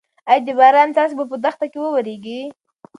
ايا د باران څاڅکي به په دښته کې واوریږي؟